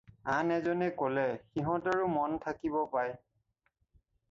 আন এজনে ক'লে- "সিহঁতৰো মন থাকিব পায়।"